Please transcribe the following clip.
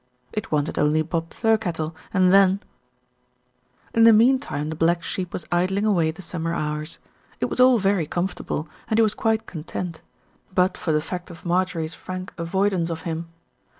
It wanted only Bob Thirkettle and then In the meantime the black sheep was idling away the summer hours. It was all very comfortable, and he was quite content; but for the fact of Marjorie's THE RETURN OF ALFRED frank avoidance of him.